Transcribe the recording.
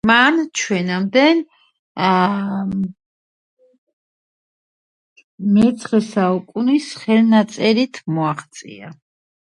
უკანასკნელი განკუთვნილია „ანგელოზებთან“ საბრძოლველად.